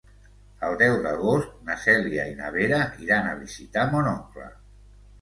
El deu d'agost na Cèlia i na Vera iran a visitar mon oncle.